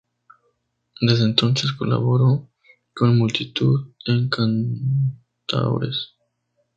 Desde entonces colaboró con multitud de cantaores.